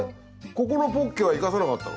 ここのポッケは生かさなかったの？